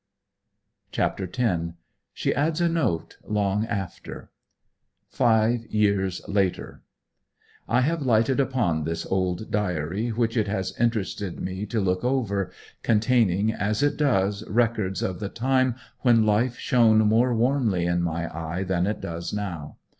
CHAPTER X. SHE ADDS A NOTE LONG AFTER Five years later. I have lighted upon this old diary, which it has interested me to look over, containing, as it does, records of the time when life shone more warmly in my eye than it does now.